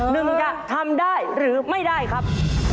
หนึ่งจะทำได้หรือไม่ได้ครับ